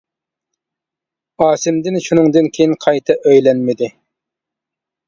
ئاسىمدىن شۇنىڭدىن كېيىن قايتا ئۆيلەنمىدى.